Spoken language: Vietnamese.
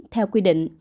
theo quy định